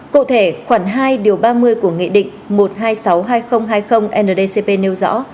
cụ thể khoản hai điều ba mươi của nghị định một triệu hai trăm sáu mươi hai nghìn hai mươi ndcp nêu rõ